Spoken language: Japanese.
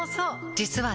実はね